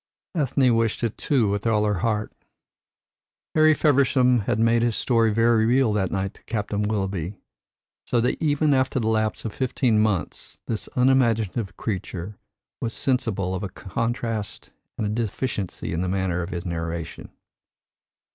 Ethne wished it too with all her heart. Harry Feversham had made his story very real that night to Captain Willoughby; so that even after the lapse of fifteen months this unimaginative creature was sensible of a contrast and a deficiency in his manner of narration.